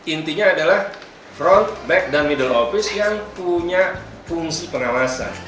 intinya adalah fraud back dan middle office yang punya fungsi pengawasan